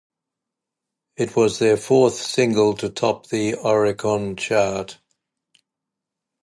It was their fourth single to top the Oricon chart.